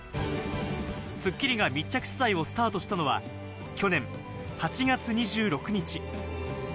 『スッキリ』が密着取材をスタートしたのは、去年、８月２６日。